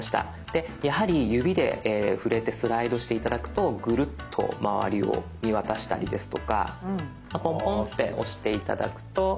でやはり指で触れてスライドして頂くとグルッと周りを見渡したりですとかポンポンって押して頂くと。